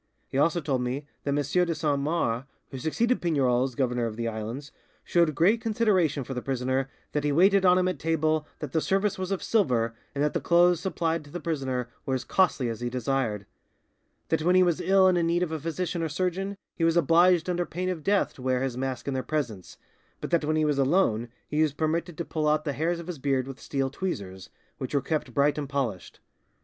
He also told me that M. de Saint Mars, who succeeded Pignerol as governor of the islands, showed great consideration for the prisoner, that he waited on him at table, that the service was of silver, and that the clothes supplied to the prisoner were as costly as he desired; that when he was ill and in need of a physician or surgeon, he was obliged under pain of death to wear his mask in their presence, but that when he was alone he was permitted to pull out the hairs of his beard with steel tweezers, which were kept bright and polished.